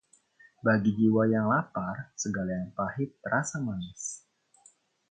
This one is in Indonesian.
bagi jiwa yang lapar, segala yang pahit terasa manis.